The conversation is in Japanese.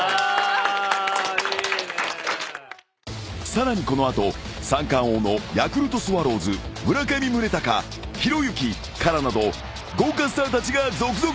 ［さらにこの後三冠王のヤクルトスワローズ村上宗隆ひろゆきＫＡＲＡなど豪華スターたちが続々登場］